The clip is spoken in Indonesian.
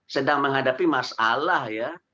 sedang menghadapi masalah ya